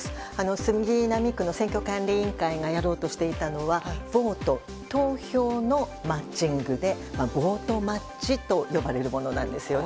杉並区の選挙管理委員会がやろうとしていたのがＶＯＴＥ、投票のマッチングでボートマッチといわれるものなんですね。